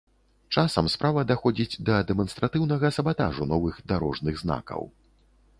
Часам справа даходзіць да дэманстратыўнага сабатажу новых дарожных знакаў.